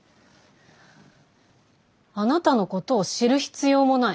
あなたのことを知る必要もない。